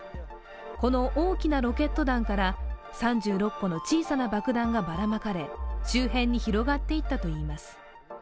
この大きなロケット弾から３６個の小さな爆弾がばらまかれ周辺に広がっていったといいます。